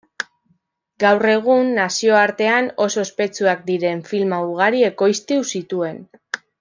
Gaur egun nazioartean oso ospetsuak diren filma ugari ekoiztu zituen.